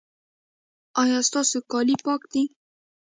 ایا ستاسو کالي پاک دي؟